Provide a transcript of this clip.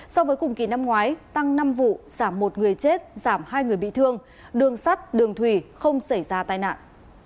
so với cùng kỳ năm ngoái tăng năm vụ giảm một người chết giảm hai người bị thương đường sắt đường thủy không xảy ra tai nạn